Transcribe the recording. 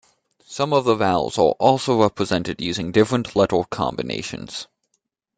Some of the vowels are also represented using different letter combinations.